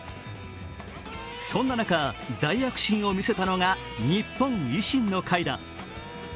そんな中、大躍進を見せたのが日本維新の会だ。